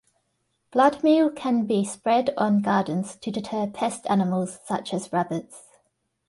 Blood meal can be spread on gardens to deter pest animals such as rabbits.